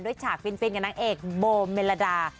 ฉากฟินกับนางเอกโบเมลดา